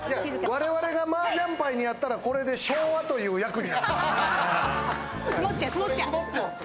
我々がマージャンパイになったら、これで昭和という役に。